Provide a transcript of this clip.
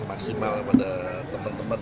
maksimal kepada teman teman